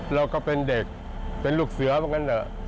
เราก็เป็นเด็กเป็นลูกเสือเหมือนกันเนอะ